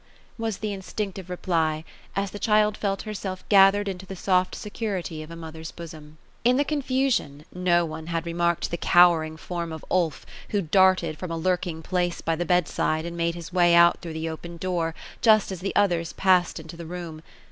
was the instinctive reply, as the child felt herself gath ered into the soft security of a mother's bosom. 224 OPHELIA ; In the confusion, no one had remarked the cowering form of Ulf ; who darted from a lurking place by the bedside, and made his way out through tiie open door, just as the others passed into the room.